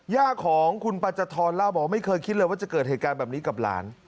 ย่าของคุณปัจจทรเล่าบอกว่าไม่เคยคิดเลยว่าจะเกิดเหตุการณ์แบบนี้กับหลาน